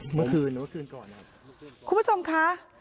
เมื่อคืนเมื่อคืนก่อนครับคุณผู้ชมค่ะ